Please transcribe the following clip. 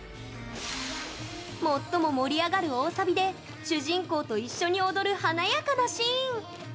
最も盛り上がる大サビで主人公と一緒に踊る華やかなシーン。